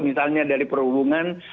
misalnya dari perhubungan